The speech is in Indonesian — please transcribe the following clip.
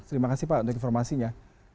terima kasih pak untuk informasinya